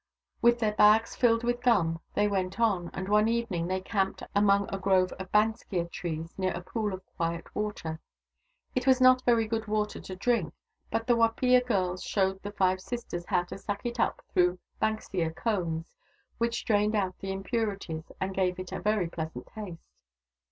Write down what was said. With their bags filled with gum they went on, and one evening they camped among a grove of banksia trees, near a pool of quiet water. It was not very good water to drink, but the Wapiya girls showed the five sisters how to suck it up through banksia cones, which strained out any impurities and gave it a very pleasant taste.